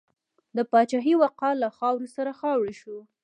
د پاچاهۍ وقار له خاورو سره خاورې شو.